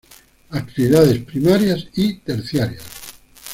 Actividades primarias y terciarias.